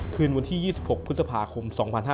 คืนวันที่๒๖พฤษภาคม๒๕๕๙